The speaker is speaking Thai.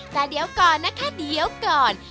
แต่เดี๋ยวก่อนนะคะเดี๋ยวก่อน